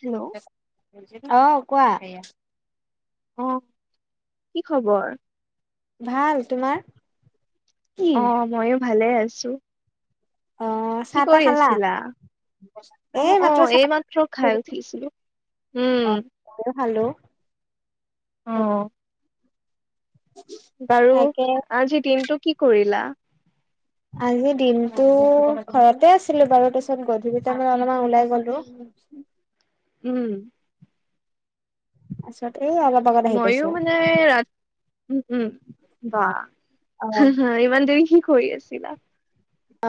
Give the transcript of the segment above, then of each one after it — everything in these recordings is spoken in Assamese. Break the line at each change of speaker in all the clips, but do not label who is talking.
হেল্ল'
অ' কোৱা।
অ' কি খবৰ?
ভাল তোমাৰ? কি
অ' ময়ো ভালে আছো।
অ
কি
চাহ তাহ
কৰি
খালা
আছিলা?
[inaudible]
অ', অ',
চাহ
এইমাত্ৰ খাই উঠিছিলো উম।
অ ময়ো খালো।
অ'। বাৰু
তাকে
আজিৰ দিনটো কি কৰিলা?
আজি দিনটো ঘৰতে আছিলো বাৰু তাৰপিছত গধূলি টাইমত অলপমান ওলাই গ'লো। [inaudible]
উম।
তাৰপিছত এই অলপ আগত আহি পাইছো
ময়ো মানে ৰাতি উম উম বা
অ
হ হা ইমান দেৰি কি কৰি আছিলা?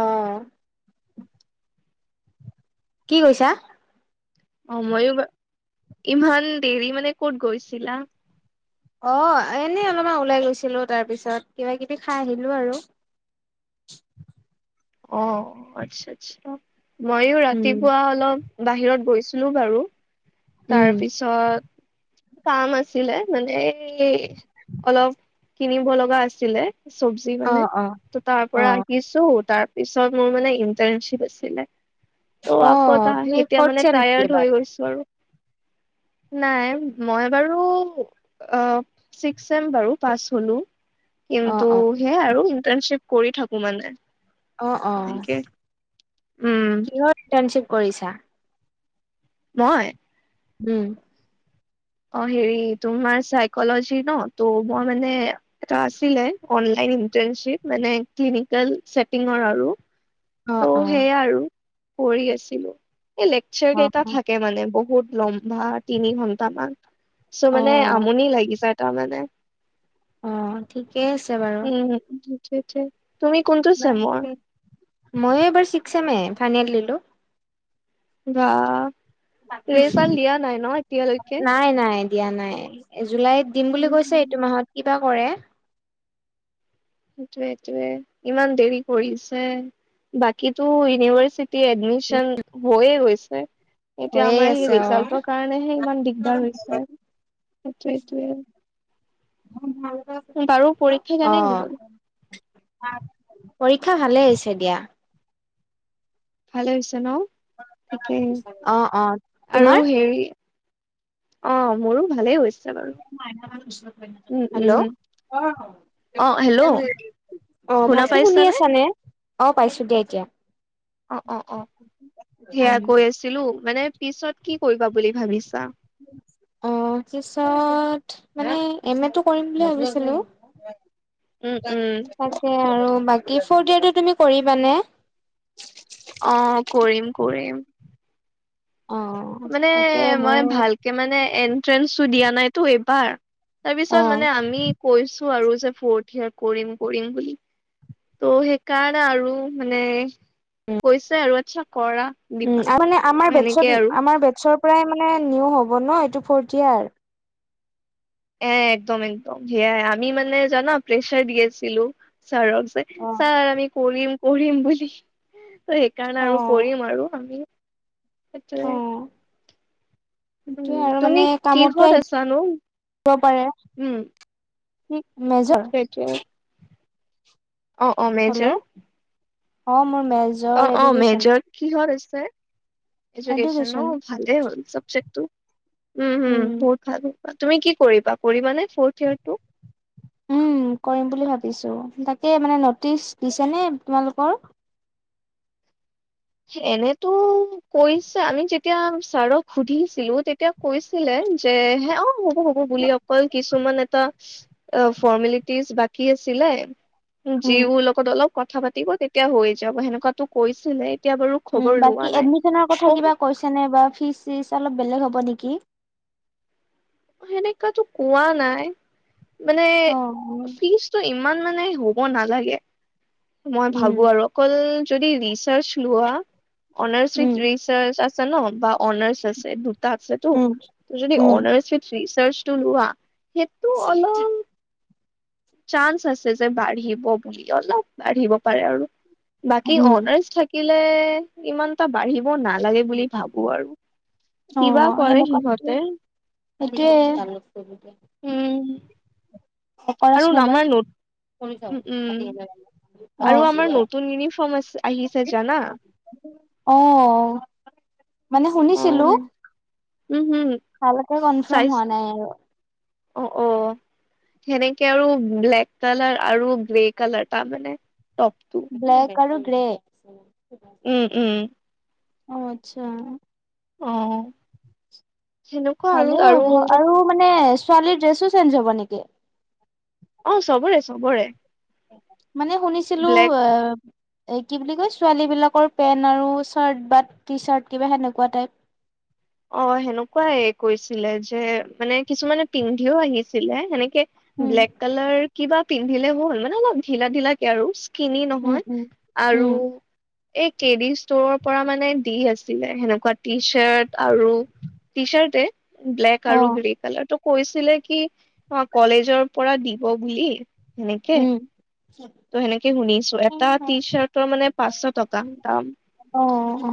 অ'। কি কৈছা?
অ' ময়ো ইমান দেৰি মানে কত গৈছিলা?
অ', এনেই অলপমান ওলাই গৈছিলো তাৰপিছত কিবা কিবি খাই আহিলো আৰু।
অ', আচ্ছা আচ্ছা ময়ো
উম
ৰাতিপুৱা অলপ বাহিৰত গৈছিলো বাৰু।
উম
তাৰ পিছত কাম আছিলে মানে অলপ কিনিব লগা আছিলে। চবজি
অ
মানে
অ
ত তাৰ
অ
পৰা আহিছো তাৰ পিছত মোৰ মানে ইণ্টাৰনশিপ আছিলে। ত'
অ
আকৌ ত
তুমি
এতিয়া
ফৰ্থ
মানে
চেম নেকি
টায়াৰ্ড
এইবাৰ
হৈ গৈছে। বাৰু নাই। মই বাৰু অ' ছিক্স চেম বাৰু পাছ হ'লো।
অ
কিন্তু
অ
সেয়াই আৰু ইন্টাৰণশ্বিপ কৰি থাকো মানে।
অ',
এনেকে উম
অ' কিহত ইটাৰণশ্বিপ কৰিছা?
মই
উম।
অ', হেৰি তোমাৰ চাইকলজি ন ত' মই মানে এটা আছিলে অনলাইন ইটাৰণশ্বিপ মানে ক্লিনিকেল চেটিং ৰ আৰু।
অ',
ত'
অ',
সেইয়া আৰু কৰিঢ আছিলো এই লেকচাৰ কেইটা
অ',
থাকে মানে বহুত লং। বা তিনি ঘন্ট মান চ' মানে
অ',
আমনি লাগিছে তাৰ মানে।
অ', ঠিকেই আছে বাৰু।
উম তুমি কোনটো ছেমৰ?
ময়ো এইবাৰ ছিক্স এম এ ফাইনেল দিলোঁ।
বা ৰিজাল দিয়া নাই ন এতিয়ালৈকে?
নাই নাই দিয়া নাই জুলাইত দিম বুলি কৈছে
উম
এইটো মাহত কিবা কৰে।
সেইটোোৱেটয়ে ইমান দেৰি কৰিছে। বাকীতো ইউনিভাৰ্চিটি এডমিশন হৈয়ে গৈছে। এতিয়া
হৈয়ে
আমাৰ
আছে
সেই
অ',
ৰিজাল্টৰ কাৰণেহে ইমান দিগদাৰ হৈছে সেইটোৱে সেইটোৱে। বাৰু
[unintelligible]
পৰীক্ষা কেনে গ'ল
অ'। পৰীক্ষা ভালে হৈছে দিয়া।
ভালে হৈছে ন' ঠিকেই
অ', অ',
আৰু
তোমাৰ
হেৰি অ', মোৰো ভালেই হৈছে। বাৰু উম
হেল্ল'
উম
অ',
অ হেল্ল'
অ',
শুনা
ভালকে শুনি
পাইছানে
আছা নে? অ', পাইছো দিয়া এতিয়া।
অ', অ', অ', সেয়া কৈ আছিলো মানে পিছত কি কৰিবা বুলি ভাবিছা?
অ', পিছত মানে এম এটো কৰিম বুলি ভাবিছিলো।
উম উম
তাকে আৰু বাকী ফৰ্ড ইয়াৰটো তুমি কৰিবানে?
অ', কৰিম কৰিম।
অ'।
মানে
তাকে
মই
মোৰ
ভাল তে মানে এন্ট্ৰেন্ঞ্চ দিয়া নাইতো এইবাৰ তাৰ
অ
পিছত মানে আমি কৈছো আৰু যে ফৰঠ ইয়াৰ কৰিম কৰিম বুলি। ত' সেইকাৰণে আৰু মানে কৈছে আৰু আচ্ছা কৰা।
উম
দিপা
আ মানে আমাৰ
ত' সেনেকে
বেটছত
আৰু
আমাৰ বেটছৰ পৰাই মানে নিউ হ'ব ন এইটো ফৰ্থিয়াৰ?
এ, একদম একদম সেয়াই আমি মানে জানা প্ৰেছাৰ দি আছিলোঁ। ছাৰক যে
অ।
ছাৰ আমি কৰিম কৰিম বুলি ত' সেইকাৰণে
অ
আৰু কৰিম আৰু আমি
অ
সেটোয়ে
সেইটোয়ে
উম,
আৰু
তুমি কিহত আছানো?
ক পাৰে
উম।
[inaudible]
[unintelligible] অ', অ',
হেল্ল'
মেজৰ?
অ', মোৰ মেজ
অ', অ', মেজৰ কিহত আছে? ইজুকেচন
এডুকেশ্যন
ন ভালে হ'ল চাবজেক্টো। উম উম, বহুত ভাল হ'ল। অ', তুমি কি কৰিবা, কৰিবা নে ফৰ্ড ইয়েৰ্তটো?
উম, কৰিম বুলি ভাবিছোঁ তাকে মানে নটিচ দিছে নে তোমালোকৰ?
এনেতো কৈছে আমি যেতিয়া ছাৰক সুধিছিলোঁ তেতিয়া কৈছিলে যে হে অ', হ'ব হ'ব বুলি অকল কিছুমান এটা এ, ফৰ্মেলিতি [unintelligible] বাকী আছিলে
উম।
যিবো লগত অলপ কথা পাতিব তেতিয়া হৈ যাব সেনেকুৱাতো কৈছিলেই
উম, বাকী এডমিচনৰ কথা কিবা কৈছে নে বা ফিজ চিজ অলপ বেলেগ হ'ব নিকি?
অ', সেনেকাতো কোৱা নাই মানে
অ
ফিজটো ইম মান মানে হ'ব নালাগে। মই ভাবোঁ
উম
আৰু অকল যদি ৰিচাৰ্চ লোৱা honours with
um
research আছে ন বা অনাৰ্ছ আছে দুটা আছেটো
উম
ত' যদি
উম
অনাৰ্ছ উইথ ৰিচাৰ্চ [unintelligible] লোৱা সেটো অলপ চান্স আছে যে বাঢ়িব বুলি অলপ বাঢ়িব পাৰে আৰু বাকী
উম উম
অনাৰ্ছ থাক কিলে ইমানটা বাঢ়িব নাগ লাগে বুলি ভাবোঁ আৰু কিবা কৰে সিহঁতে
সেটোৱে [unintelligible]
উম।
অ',
আৰু
কৰাচোন
আমাৰ
এবাৰ
নতু
কৰি চাওঁ
উম
কাতেই নে
আৰু
কি
আমাৰ
হয়
নতুন ইউনিফৰ্ম আছে
[unintelligible] অ',
আহিছে জানা
[unintelligible] অ', অ', মানে শুনিছ
অ
ছিলো
উম হম
ভালকে কনফ্ৰাম
চাইজ
হোৱা নাই আৰু।
অ', অ'। সেনেকে আৰু ব্লেক কালাৰ আৰু গ্ৰে কালাৰ তাৰ মানে টপটো।
ব্লেক আৰু গ্ৰে
উম উম।
অ', আচ্ছা।
অ', সেনেকুৱা আৰু আৰু [unintelligible]
নে ছোৱালীৰ ড্ৰেছো চেঞ্জ হব নেকি?
অ', চবৰে চবৰে।
মানে শুনিছিলোঁ
ব্লেক
এব এই কি বুলি কয় ছোৱালী বিলাকৰ পেণ্ট আৰু চাৰ্ট বা টি চাৰ্ট কিবা সেনেকুৱা টাইপ
অ সেনেকুৱাই কৈছিলে যে মানে কিছুমানে পিন্ধিও আহিছিলে সেনেকে
উম
ব্লেক কালাৰ কিবা পিন্ধিলে বল মানে অলপ ঢিলা ঢিলা কে আৰু কিনি
উম
নহয়
উম
আৰু
উম
এই কে ডি ষ্টৰৰ পৰা মানে দি আছিলে সেনেকুৱা টি চাৰ্ট আৰু টি চাৰ্টে ব্লেক
অ
আৰু গ্ৰে কালাৰটো কৈছিলে কি অ কলেজৰ পৰা দিব বুলি সেনেকে ত' সেনেকে শুনিছো এটা টি
উম
চাৰ্টৰ মানে পাঁচশ টকা দাম
অ অ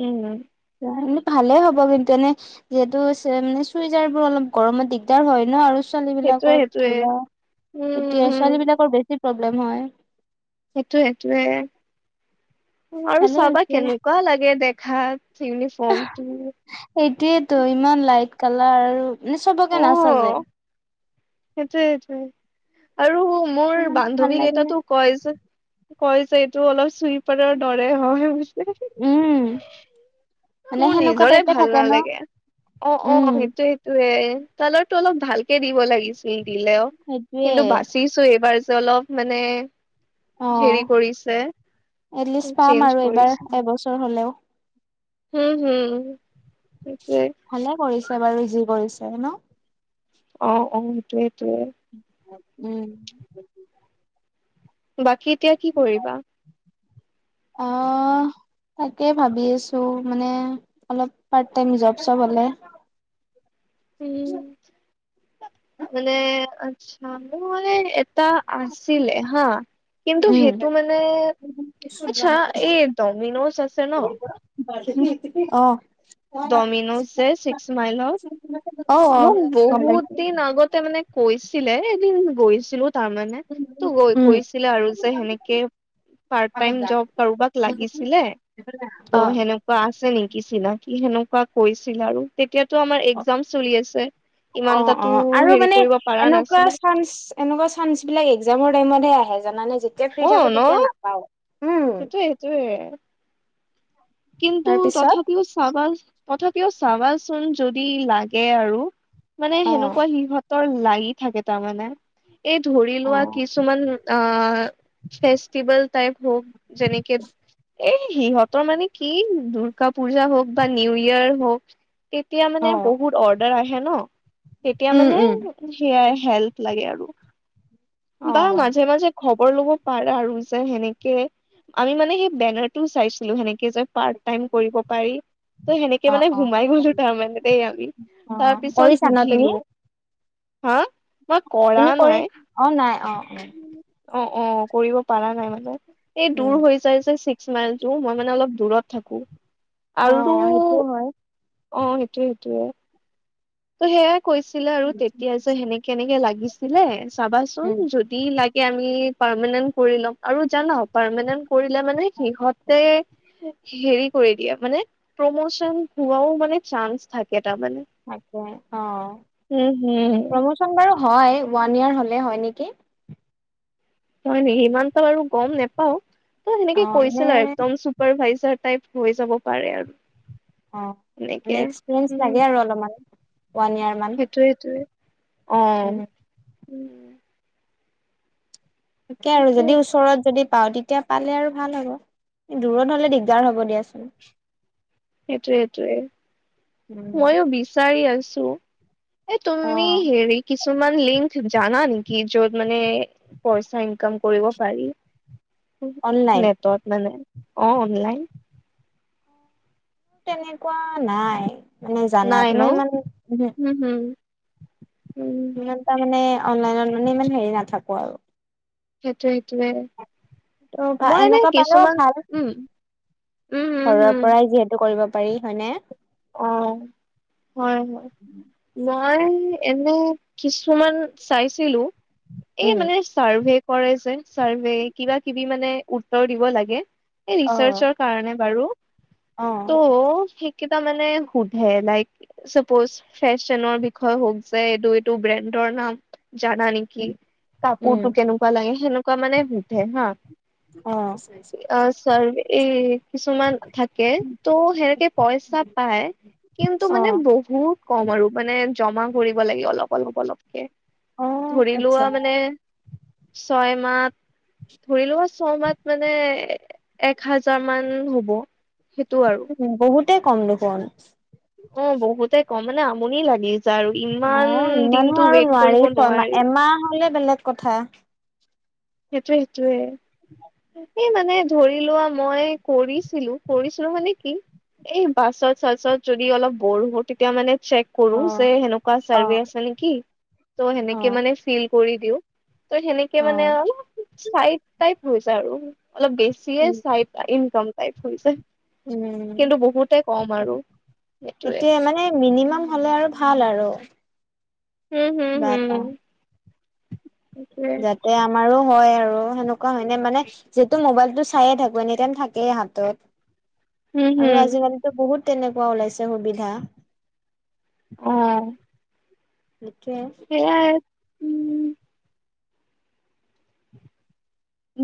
উম
এনে ভালে হ'ব কিন্তু এনে যিহেতু মানে চুইজাৰ বোৰ অলপ গৰমত দিগদাৰ হয় ন আৰু ছোৱালী
সেইটোয়ে
বিলাকৰ
সেইটোয়ে
ধৰা
উম
এতিয়া
উম
ছোৱালী বিলাকৰ বেছি প্ৰব্লেম হয়
সেইটোৱে সেইটোৱে আৰু
ভালে
চাবা
হৈছে
কেনেকুৱা লাগে দেখাত ইউনিফৰ্ম
সেইটোয়েতো ইমান লাইট কালাৰ আৰু মানে চবকে নাচাযে
সেইটোৱে সেইটোৱে আৰু মোৰ
সেইটো মানে ভাল
বান্ধৱী
লাগে
কেইটাতো কয় যে কয় যে এইটো অলপ চুইপাৰৰ দৰে হয়
উম মানে
মোৰ
সেনেকুৱা
নিজৰে
টাইপে
ভাল
থাকে ন
নালাগে অ অ
উম
সেইটোয়ে সেই টোৱে তলৰটো অলপ ভালকে দিব লাগিছিলে দিলেও
সেইটোয়ে
কিন্তু বাচি চো এইবাৰ যে অলপ মানে
অ
হেৰি কৰিছে
এটলিষ্ট পাম
চেঞ্জ
আৰু এইবাৰ
কৰিছে
এবছৰ হলেও
হম হম সেইটোৱে
ভালে কৰিছে বাৰু যি কৰিছে ন
অ অ সেইটোৱে সেইটোৱে
উম
বাকী এতিয়া কি কৰিবা
অ তাকে ভাবি আছো মানে অলপ পাৰ্ট টাইম জব চব হলে
উম মানে আচ্ছা মোৰ মানে এটা আছিলে হা কিন্তু
উম
সেইটো মানে আচ্ছা এই ডমিনজ আছে ন
অ
ডমিন'জ যে ছিক্স মাইলত
অ অ
মোক
গম
বহুত
পাইছো
দিন আগতে মানে কৈছিলে এদিন গৈছিলো তাৰমানে ত'
উম
কৈছিলে আৰু যে সেনেকে পাৰ্ট টাইম জব কাৰোবাক লাগিছিলে
অ
বা আছে নেকি চিনাকি সেনেকুৱা কৈছিল আৰু তেতিয়াটো আমাৰ এক্জাম চলি আছে ইমান
অ',
তাতো
অ', আৰু
হেৰি
মানে
কৰিব পাৰা
এনেকুৱা
নাছিলো
চানচ এনেকুৱা চানচ বিলাক এক্জামৰ টাইমতহে আহে জানে যেতিয়া
অ
ফ্ৰী থাকো তেতিয়া নাপাওঁ উম
সেইটোৱে কিন্তু
তাৰপিছত
তথাপিও চাবা তথাপিও চাবাচোন যদি লাগে আৰু মানে
অ
সেনেকুৱা সিহঁত তৰ লাগি থাকে তাৰমানে এই ধৰি
অ
লোৱা কিছু কিছুমান অ ফেষ্টিভেল টাইপ হ'ক যেনেকে এই সিহঁতৰ মানে কি দূৰ্গা পূজা হওঁক বা নিউ ইয়োৰ হওঁক। তেতিয়া
অ
মানে বহুত অৰ্ডাৰ আহে ন তেতিয়া
উম
মানে
উম
সেয়া হেল্প লাগে আৰু
অ
বা মাজে মাজে- খবৰ ল'ব পাৰা আৰু যে সেনেকে আমি মানে সেই বেনাৰটোও চাইছিলো সেনেকে যে- পাৰ্ট টাইম কৰিব পাৰি ত সেনেকে
অ
মানে
অ
সোমাই গলো তাৰমানানে দেই আমি।
অ
তাৰ পিছত
কৰিছা ন তুমি
সুধিলো হা- মই কৰা
তুমি কৰি
নাই।
অ নাই অ অ
অঁ অঁ কৰিব পৰা নাই মানে এই
উম
দূৰ হৈ যাই যে ছিক্স মাইলটো মই মানে অলপ দূৰত- থাকো
অ
আৰু
সেইটোও হয়
অঁ সেইটোৱে সেইটোয়ে। ত' সেয়াই কৈছিলে আৰু তেতিয়া যে সেনেকে এনেকে লাগিছিলে চাবাচোন
উম
যোত- দি লাগে আমি পাৰমানেন্ট কৰি ল'ম আৰু জানা পাৰমেনেন্ট- কৰিলে মানে সিহঁতে- হেৰি কৰি দিয়া মানে প্ৰমোচন হোৱাাও মানে চান্স থাকে তাৰমানে।
থাকে অ'।
উমঁ, হোম।
এই খন বাৰু হয় ওৱান ইয়াৰ হ'লে হয় নেকি।
হয়, নেকি সিমান এটা বাৰু গম নোপাও ত
অ
সেনেকে
মানে
কৈছিল আৰু একদম চুপ। চুপাৰভাইজৰ টাইপ হৈ যাব পাৰে আৰু।
অঁ
এনেকে
মানে এক্সপিৰিয়েঞ্চ
উম
লাগে আৰু অলপমান ওৱান ইয়াৰ মান।
সেইটোয়ে সেইটোয়ে অ'।
উম
উম
তাকে আৰু
সেইটোৱে
যদি ওচৰত যদি- পাও তেতিয়া পালে আৰু ভাল হ'ব দূৰত হলে দিগদাৰ হব দিয়াচোন।
সেইটোৱে
উম
সেইটোয়ে ময়ো বিচাৰি আছো। এ
অ
তুমি হেৰি কি- কিছুমান লিংক জানা নেকি য'ত মানে পইচা ইনকাম কৰিব পাৰি?
অনলাইন
নেটত মানে অ', অনলাইন।
তেনেকুৱা নাই। মানে জানাত
নাই
মই
ন'
ইমান উহো
উমঁ।
ইমান তাৰ মানে অনলাইনত মানে ইমান হেৰি নাথাকো আৰু।
সেইটোৱ সেইটোৱে।
তো
মই এনে
এনেকুৱা পালেও
কিছুমান
ভাল।
উম উম হম
ঘৰৰ
হম
পৰাই যিহেতু কৰিব পাৰি হয়নে?
অ'। হয়ঁ, হয়ঁ, মই এনে কিছুমান চাইছিলো। এই
উম
মানে- চাৰ্ভে কৰে যে চাৰ্ভে কিবা কিবি মানে উত্তৰ দিব এই
অ
ৰিচাৰ্জৰ কাৰণে বাৰু
অ
ত' সেইকেইটা মানে সোধে লাইক- চাপৌজ ফেশ্বনৰ বিষয়ে হওঁক যে এইটো এইটো ব্ৰেণ্ডৰ নাম জানা নেকি? কি
উম
কাপোৰতটো কেনেকুৱা লাগে সেনেকুৱা মানে সোধে হা।
অ'।
অঁ চাৰৰ্ভে এই কিছুমান থাকে ত' সেনেকে পইচা- পাই কিন্তু মানে
অ
বহুত কম আৰু মানে জমা কৰিব লাগে অলপ অলপ অলপ।
অ',
ধৰি
আচ্ছা
লোৱা মানে ছয় মাহ- ধৰি লোৱা ছমাহ মানে এক হাজাৰ মান হ'ব। সেইটো আৰু।
বহুতেই কম দেখোন।
অঁ' বহুতে কম মানে আমনি লাগি যাই আৰু ই।
অঁ' ইমানো আৰু নোৱাৰি ছয়মাহ এমাহ হলে বেলেগ কথা।
সেইটোৱে সেইটোৱে।
[unintelligible]
সেই মানে ধৰি লোৱা মই কৰিছিলো কৰিছিলো মানে কি। এই বাছত চাছত যদি অলপ বৰহউ তেতিয়া মানে চেক কৰো
অ',
যে সেনেকুৱা
অ',
চাৰ্ভে আছে নেকি ত' সেনেকে
অ',
মানে ফিল কৰি দিওঁ। ত সেনেকে মানে
অ',
অলপ চাই টাইপ হৈ যায় আৰু অলপ বেছিয়ে
উম,
চাই। ইনকাম টাইপ হৈ যায়।
উম,
সেইটোৱে
সেইটোয়ে মানে মিনিমাম হলে আৰু ভাল আৰু।
হম হম
কিবা
হম সেইটোৱে
এটা তে আমাৰো হয় আৰু সেনেকুৱা হয়নে মানে। যিহেতু মোবাইলটো চাইে থাকো এনি টাইম থাকেই হাতত।
হম
আৰু
হম
আজিকালিতো বহুত তেনেকুৱা ওলাইছে সুবিধা।
অঁ'।
এইটোৱে।
সেইয়া।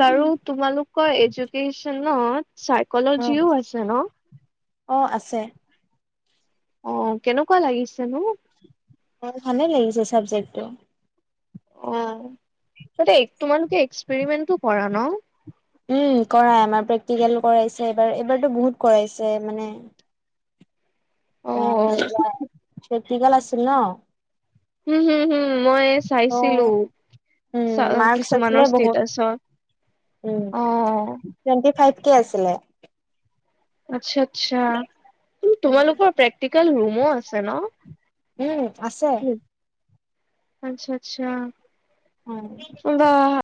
বাৰু তোমালোকৰ এডুকেচনত চাইকলজিও আছে ন।
অঁ' আছে।
অঁ' কেনেকুৱা লাগিছেনো?
অঁ' ভালে লাগিছে চাবজেক্টটো।
অ' ততে তোমালোকে এক্সপেৰিমেণ্টটো কৰা ন?
উম কৰাই আমাৰ প্ৰেক্টিকেল কৰাইছে এইবাৰ এইবাৰতো বহুত কৰাইছে মানে।
অ
অঁ' যেতিয়া প্ৰেক্টিকেল আছিল ন।
উম হুম হুম মই চাইছিলো।
উম
চাওৱে
মাৰ্কচ
কিছুমানৰ
আছিলে বহুত
ষ্টেটাচত।
উম
অ
তোৱেনটি ফাইভ কে আছিলে।
আচ্ছা আচ্ছা তোমালোকৰ প্ৰেক্টিকেল ৰুমো আছে ন?
উম আছে।
আচ্ছা আচ্ছা।
অঁ'।
[unintelligible]